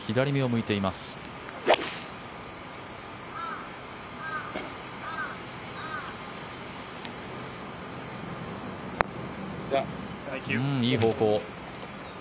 いい方向。